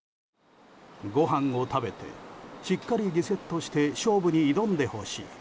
ごはんを食べてしっかりリセットして勝負に挑んでほしい。